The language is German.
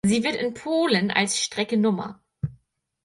Sie wird in Polen als Strecke Nr.